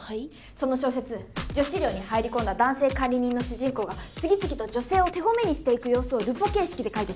その小説女子寮に入り込んだ男性管理人の主人公が次々と女性を手込めにしていく様子をルポ形式で書いてて。